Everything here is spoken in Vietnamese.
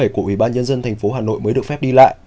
của ủy ban nhân dân thành phố hà nội mới được phép đi lại